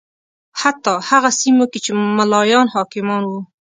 حتی هغه سیمو کې چې ملایان حاکمان و